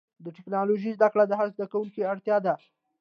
د ټکنالوجۍ زدهکړه د هر زدهکوونکي اړتیا ده.